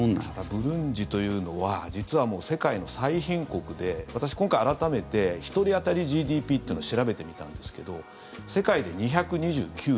ブルンジというのは実は世界の最貧国で私、今回改めて１人当たりＧＤＰというのを調べてみたんですけど世界で２２９位。